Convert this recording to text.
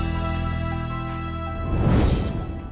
โปรดติดตามตอนต่อไป